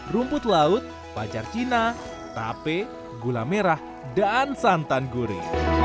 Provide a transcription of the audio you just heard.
rumput laut pacar cina tape gula merah dan santan gurih